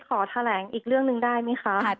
ขอแถลงอีกเรื่องหนึ่งได้ไหมคะ